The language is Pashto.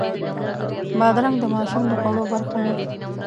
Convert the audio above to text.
بادرنګ د ماشوم د خوړو برخه ده.